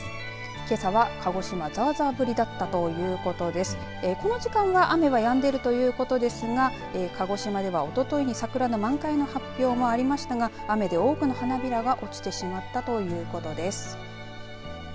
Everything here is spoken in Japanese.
けさは鹿児島、ザーザー降りだったということでこの時間は雨はやんでいるということですが鹿児島では、おとといに桜の満開の発表もありましたが雨で多くの花びらが落ちてしまったということです。